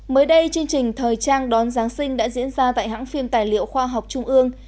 mới đây chương trình thời trang đón giáng sinh đã diễn ra tại hãng phim tài liệu khoa học trung ương